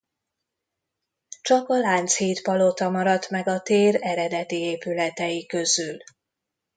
Csak a Lánchíd Palota maradt meg a tér eredeti épületei közül.